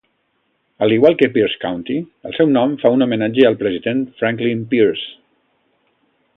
Al igual que Pierce County, el seu nom fa un homenatge al president Franklin Pierce.